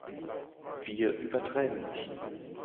Wir übertreiben nicht.